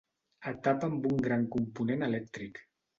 Etapa amb un gran component elèctric.